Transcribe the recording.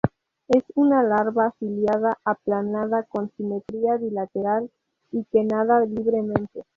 Es una larva ciliada, aplanada, con simetría bilateral y que nada libremente.